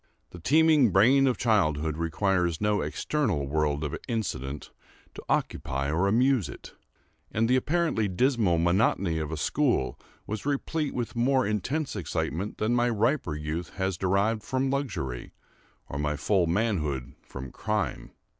The teeming brain of childhood requires no external world of incident to occupy or amuse it; and the apparently dismal monotony of a school was replete with more intense excitement than my riper youth has derived from luxury, or my full manhood from crime.